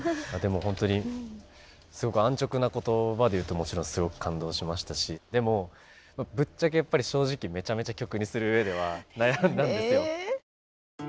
本当にすごく安直な言葉で言うともちろんすごく感動しましたしでもぶっちゃけ正直めちゃめちゃ曲にするうえでは悩んだんですよ。